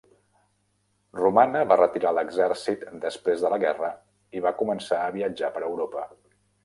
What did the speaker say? Romana va retirar l'exèrcit després de la guerra i va començar a viatjar per Europa.